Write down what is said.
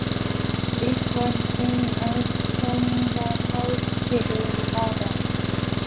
This was seen as scandalously modern.